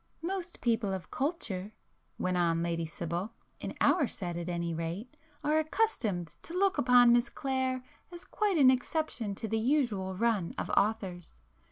"Most people of culture," went on Lady Sibyl—"in our set at any rate, are accustomed to look upon Miss Clare as quite an exception to the usual run of authors.